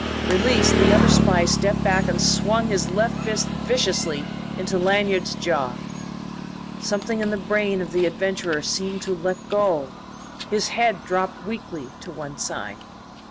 Released, the other spy stepped back and swung his left fist viciously to Lanyard's jaw. Something in the brain of the adventurer seemed to let go; his head dropped weakly to one side.